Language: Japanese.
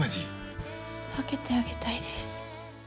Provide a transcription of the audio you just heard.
分けてあげたいです